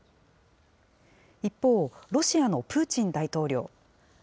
一方、ロシアのプーチン大統領。